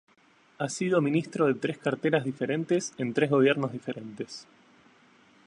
Ha sido ministro de tres carteras diferentes, en tres gobiernos diferentes.